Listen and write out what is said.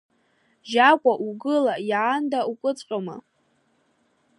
Жьакәа угәыла иаанда укыҵәҟьома?